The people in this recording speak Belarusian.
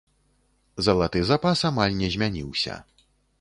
Залаты запас амаль не змяніўся.